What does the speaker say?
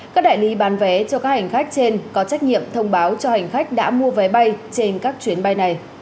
các đại lý bán vé cho các hành khách trên có trách nhiệm thông báo cho hành khách đã mua vé bay trên các chuyến bay này